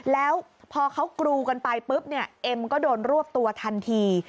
แล้วพอเขากรูกันไปปุ๊บเนี่ยเอ็มก็โดนรวบตัวทันที